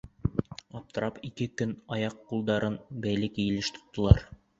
Аптырап, ике көн аяҡ-ҡулдарын бәйле килеш тоттолар.